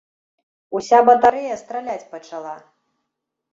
Уся батарэя страляць пачала.